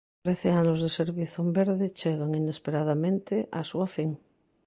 Trece anos de servizo en verde chegan, inesperadamente, á súa fin.